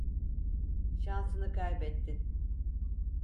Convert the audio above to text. Şansını kaybettin.